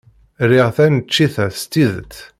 Riɣ taneččit-a s tidet.